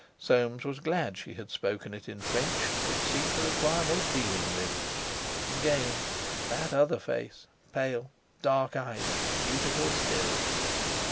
Soames was glad she had spoken it in French—it seemed to require no dealing with. Again that other face—pale, dark eyed, beautiful still!